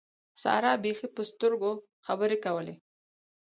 سارا بېخي په سترګو خبرې کولې.